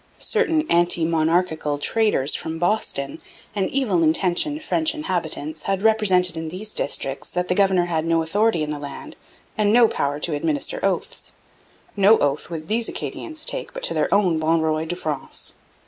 Certain 'anti monarchical traders' from Boston and evil intentioned French inhabitants had represented in these districts that the governor had no authority in the land, and no power to administer oaths. No oath would these Acadians take but to their own Bon Roy de France.